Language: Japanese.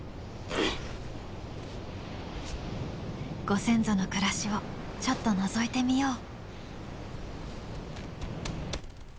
ご先祖の暮らしをちょっとのぞいてみよう。